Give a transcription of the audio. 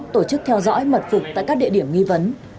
tổ chức theo dõi mật phục tại các địa điểm nghi vấn